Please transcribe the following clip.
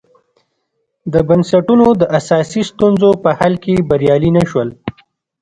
د بنسټونو د اساسي ستونزو په حل کې بریالي نه شول.